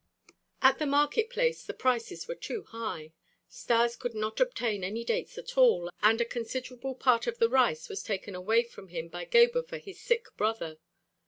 At the market place the prices were too high. Stas could not obtain any dates at all and a considerable part of the rice was taken away from him by Gebhr for "his sick brother."